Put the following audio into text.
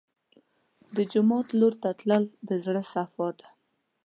د جومات لور ته تلل د زړه صفا ده.